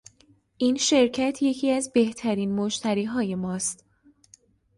این شرکت یکی از بهترین مشتریهای ماست.